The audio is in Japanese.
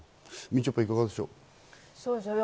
みちょぱ、いかがでしょう？